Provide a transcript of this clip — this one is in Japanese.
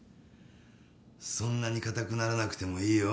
・そんなに固くならなくてもいいよ